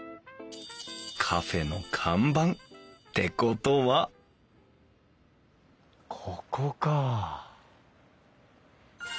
カフェの看板ってことはここか。